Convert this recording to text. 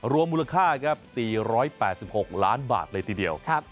รวมมูลค่าครับ๔๘๖ล้านบาทเลยทีเดียว